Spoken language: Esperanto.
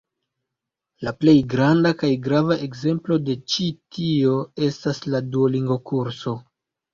La plej granda kaj grava ekzemplo de ĉi tio estas la Duolingo-kurso.